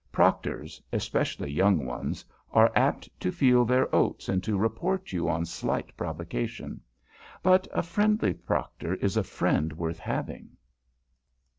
Proctors especially young ones are apt to feel their oats and to report you on slight provocation. But a friendly Proctor is a friend worth having.